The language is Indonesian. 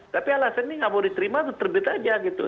tapi alasan ini nggak mau diterima atau terbit aja gitu